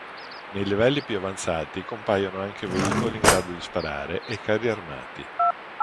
Nei livelli più avanzati compaiono anche velivoli in grado di sparare e carri armati.